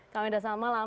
kawendra selamat malam